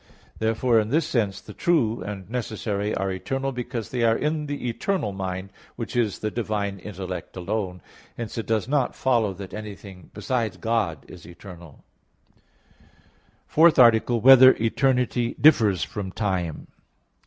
Therefore in this sense the true and necessary are eternal, because they are in the eternal mind, which is the divine intellect alone; hence it does not follow that anything beside God is eternal. ______________________ FOURTH ARTICLE [I. Q. 10, Art. 4] Whether Eternity Differs from Time?